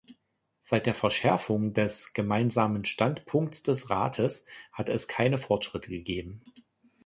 Seit der Verschärfung des Gemeinsamen Standpunkts des Rates hat es keine Fortschritte gegeben.